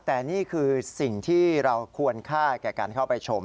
แต่นี่คือสิ่งที่เราควรค่าแก่การเข้าไปชม